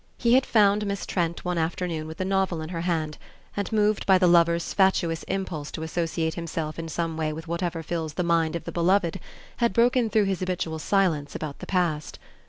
He had found Miss Trent one afternoon with the novel in her hand, and moved by the lover's fatuous impulse to associate himself in some way with whatever fills the mind of the beloved, had broken through his habitual silence about the past.